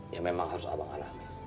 ya memang harus abang alami